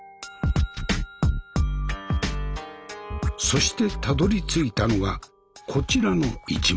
そしてたどりついたのがこちらの一枚。